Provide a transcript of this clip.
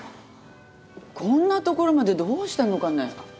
こんなところまでどうしたのかね？